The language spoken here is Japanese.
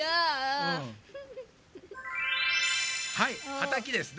はいはたきですね。